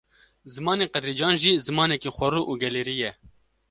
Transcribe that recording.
Zimanê Qedrîcan jî, zimanekî xwerû û gelêrî ye